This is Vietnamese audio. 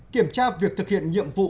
kiểm tra việc thực hiện nhiệm vụ